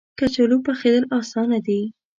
کچالو پخېدل اسانه دي